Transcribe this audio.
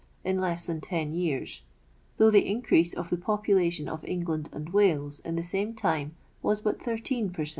| in less thitn ten yenni, though tlie increase of the i population of England and Wales, in the Kime | time, was hut 1 3 per cent.